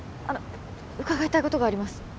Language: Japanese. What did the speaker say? あの伺いたいことがあります